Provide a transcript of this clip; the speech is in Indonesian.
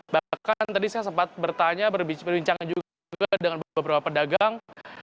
bahkan tadi saya sempat bertanya berbincang juga dengan beberapa pedagang